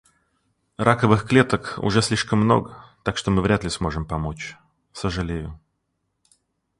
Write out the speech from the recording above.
Раковых клеток уже слишком много, так что мы вряд ли сможем помочь. Сожалею...